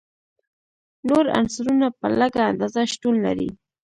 نور عنصرونه په لږه اندازه شتون لري.